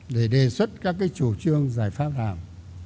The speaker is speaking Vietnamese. để đề xuất các chủ trương giải pháp nào